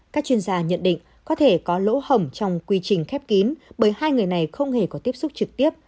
các chuyên gia nhận định có thể có lỗ hỏng trong quy trình khép kín bởi hai người này không hề có tiếp xúc trực tiếp